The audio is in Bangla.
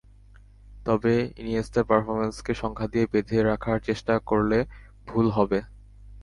তবে ইনিয়েস্তার পারফরম্যান্সকে সংখ্যা দিয়ে বেঁধে রাখার চেষ্টা করলে ভুল হবে।